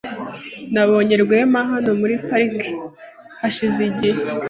Nabonye Rwema hano muri parike hashize igihe.